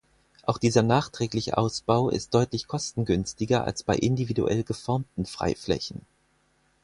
Auch dieser nachträgliche Ausbau ist deutlich kostengünstiger als bei individuell geformten Freiflächen.